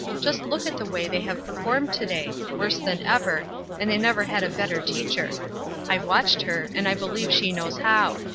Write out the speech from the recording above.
Just look at the way they have performed to day worse than ever, and they never had a better teacher. I've watched her, and I believe she knows how.